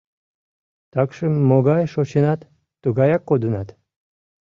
Такшым могай шочынат — тугаяк кодынат...